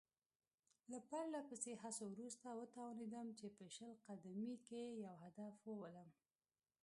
له پرله پسې هڅو وروسته وتوانېدم چې په شل قدمۍ کې یو هدف وولم.